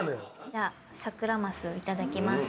じゃあサクラマスいただきます。